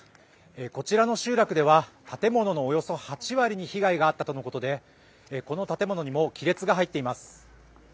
こちらの集落では建物のおよそ８割に被害があったとのことでこの建物にも亀裂が入っています。